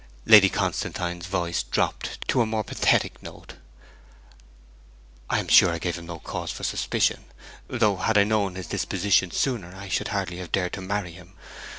(Lady Constantine's voice dropped to a more pathetic note.) 'I am sure I gave him no cause for suspicion; though had I known his disposition sooner I should hardly have dared to marry him.